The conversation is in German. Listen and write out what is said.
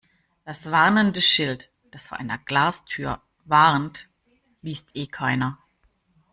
Das warnende Schild, das vor einer Glastür warnt, liest eh keiner.